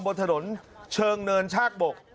บนถนนเชิงเนินชากบก